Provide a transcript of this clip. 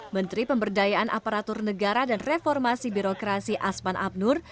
menteri pemberdayaan aparatur negara dan reformasi birokrasi asman abnur